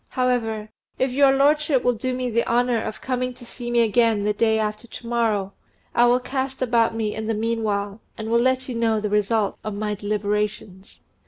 However, if your lordship will do me the honour of coming to see me again the day after to morrow, I will cast about me in the meanwhile, and will let you know then the result of my deliberations."